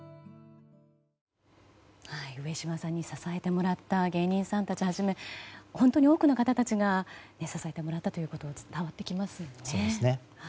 上島さんに支えてもらった芸人さんたちをはじめ本当に多くの方たちが支えてもらったことが伝わってきますね。